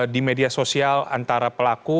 di media sosial antara pelaku